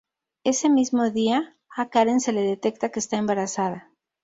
Ese mismo día a Karen se le detecta que está embarazada.